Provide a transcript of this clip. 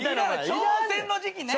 挑戦の時期ね！